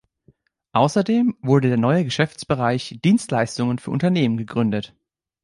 Außerdem wurde der neue Geschäftsbereich „Dienstleistungen für Unternehmen“ gegründet.